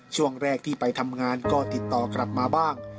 ช่วงแรกที่ไปทำงานก็ติดต่อกลับมาบ้าง